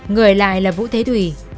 người ở lại là vũ thế thùy